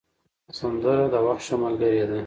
سندره د وخت ښه ملګرې ده